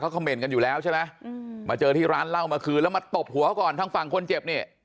คำเมนต์กันอยู่แล้วใช่ไหมมาเจอที่ร้านเหล้าเมื่อคืนแล้วมาตบหัวก่อนทางฝั่งคนเจ็บเนี่ย